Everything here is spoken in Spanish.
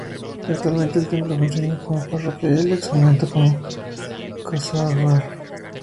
Actualmente el templo funciona como parroquia y el ex convento funciona como casa cual.